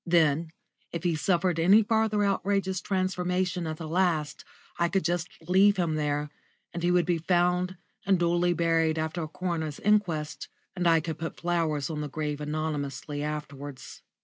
Then, if he suffered any further outrageous transformation at the last, I could just leave him there, and he would be found and duly buried after a coroner's inquest, and I could put flowers on the grave anonymously afterwards.